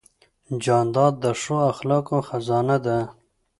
جانداد د ښو اخلاقو خزانه ده.